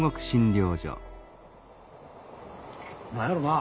何やろなあ？